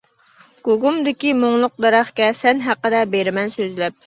گۇگۇمدىكى مۇڭلۇق دەرەخكە، سەن ھەققىدە بىرىمەن سۆزلەپ.